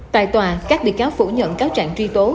tại tòa các bị cáo phủ nhận cáo trạng truy tố